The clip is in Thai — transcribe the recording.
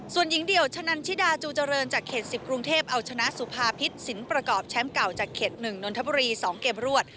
ส่วนหญิงเดี่ยวชะนันชิดาจูเจริญจากเขต๑๐กรุงเทพเอาชนะสุภาพิษสินประกอบแชมป์เก่าจากเขต๑นนทบุรี๒เกมรวด